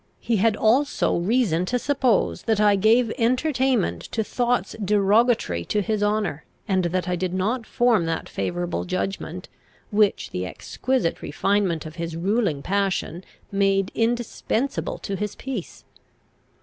He had also reason to suppose that I gave entertainment to thoughts derogatory to his honour, and that I did not form that favourable judgment, which the exquisite refinement of his ruling passion made indispensable to his peace.